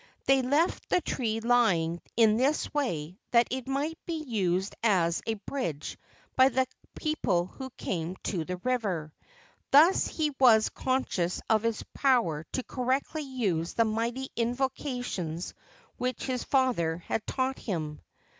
They left the tree lying in this way that it might be used as a bridge by the people who came to the river. Thus he was conscious of his power to correctly use the mighty invocations which his father had taught him.